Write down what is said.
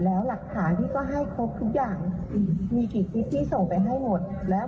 แล้วหลักค์ถานที่ก็ให้พรบทุกอย่างส่งให้หมดแล้ว